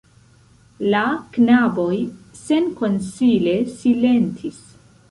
La knaboj senkonsile silentis.